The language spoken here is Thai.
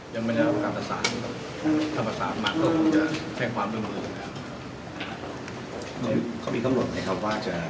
อย่างบรรยาประกาศศาสตร์ถ้าประกาศศาสตร์มากก็คงจะแท่งความร่วมหลุมนะครับ